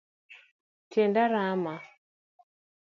Tienda rama